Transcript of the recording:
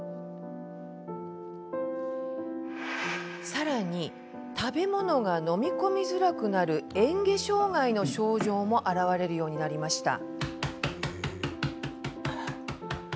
さらに、食べ物が飲み込みづらくなるえん下障害の症状も現れるようになりました。